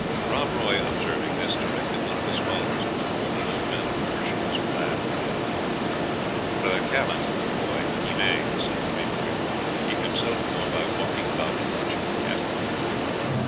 Rob Roy observing this, directed one of his followers to afford the old man a portion of his plaid; "for the callant (boy), he may," said the freebooter, "keep himself warm by walking about and watching the cattle."